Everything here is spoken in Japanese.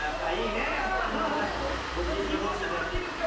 引っ張ってもらっていいですか？